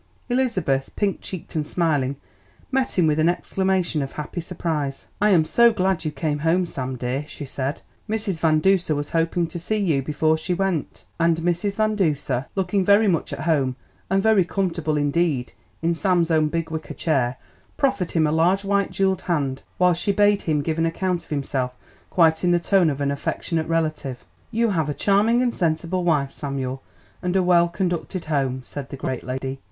Elizabeth, pink cheeked and smiling, met him with an exclamation of happy surprise. "I am so glad you came home, Sam dear," she said. "Mrs. Van Duser was hoping to see you before she went." And Mrs. Van Duser, looking very much at home and very comfortable indeed in Sam's own big wicker chair, proffered him a large white jewelled hand, while she bade him give an account of himself quite in the tone of an affectionate relative. "You have a charming and sensible wife, Samuel, and a well conducted home," said the great lady.